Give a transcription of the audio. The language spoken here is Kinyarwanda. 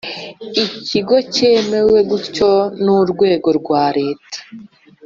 Ikigo cyemewe gutyo n urwego rwa leta